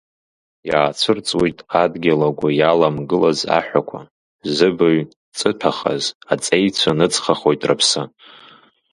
Иаацәырҵуеит адгьыл агәы иаламгылаз аҳәақәа, зыбаҩ ҵыҭәахаз аҵеицәа ныҵхахоит рыԥсы.